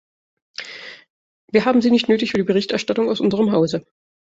Wir haben sie nicht nötig für die Berichterstattung aus unserem Hause.